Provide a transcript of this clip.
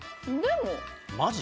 マジ？